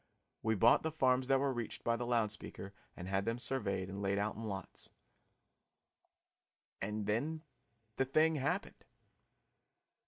We bought the farms that were reached by the loud speaker and had them surveyed and laid out in lots and then the thing happened!